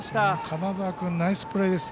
金澤君、ナイスプレーです。